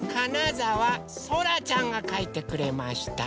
ざわそらちゃんがかいてくれました。